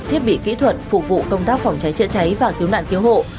thiết bị kỹ thuật phục vụ công tác phòng cháy chữa cháy và cứu nạn cứu hộ